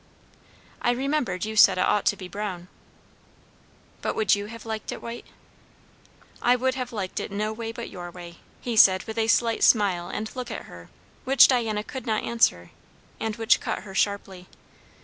"I remembered you said it ought to be brown." "But would you have liked it white?" "I would have liked it no way but your way," he said with a slight smile and look at her, which Diana could not answer, and which cut her sharply.